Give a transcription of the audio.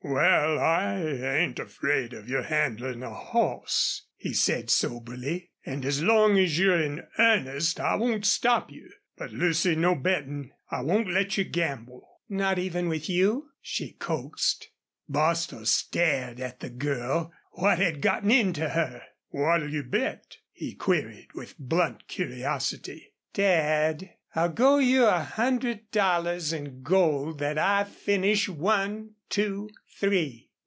"Wal, I ain't afraid of your handlin' of a hoss," he said, soberly. "An' as long as you're in earnest I won't stop you. But, Lucy, no bettin'. I won't let you gamble." "Not even with you?" she coaxed. Bostil stared at the girl. What had gotten into her? "What'll you bet?" he, queried, with blunt curiosity. "Dad, I'll go you a hundred dollars in gold that I finish one two three."